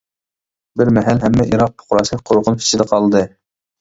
بىر مەھەل ھەممە ئىراق پۇقراسى قورقۇنچ ئىچىدە قالدى.